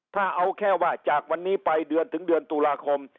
ถ้าเอาแค่ว่าจากวันนี้ไปเดือนถึงเดือนตุลาคม